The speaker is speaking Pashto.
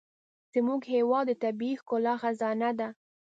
زموږ هېواد د طبیعي ښکلا خزانه ده.